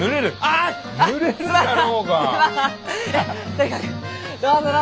とにかくどうぞどうぞ。